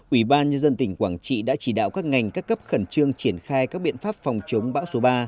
ủy ban nhân dân tỉnh quảng trị đã chỉ đạo các ngành các cấp khẩn trương triển khai các biện pháp phòng chống bão số ba